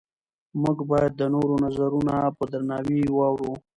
موږ باید د نورو نظرونه په درناوي واورو